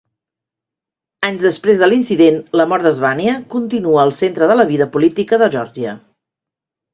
Anys després de l'incident, la mort de Zhvania continua al centre de la vida política de Geòrgia.